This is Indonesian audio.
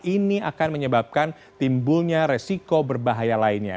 ini akan menyebabkan timbulnya resiko berbahaya lainnya